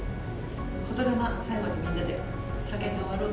言霊、最後みんなで、叫んで終わろう。